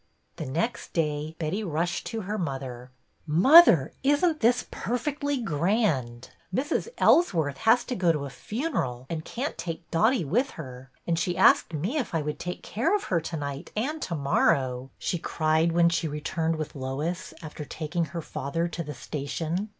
The next day Betty rushed to her mother. '^Mother, isn't this perfectly grand! Mrs. Ellsworth has to go to a funeral and can't take Dotty with her, and she asked me if I would take care of her to night and to morrow," she cried, when she returned with Lois, after taking her father to the station.